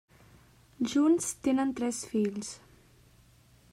Junts tenen tres fills.